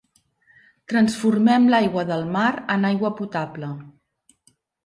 Transformem l'aigua del mar en aigua potable.